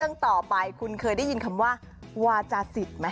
เรื่องต่อไปคุณเคยได้ยินคำว่าวาจาศิษย์ไหม